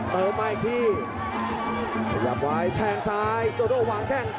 เติมมาอีกทีขยับไว้แทงซ้ายโจโดวางแข้ง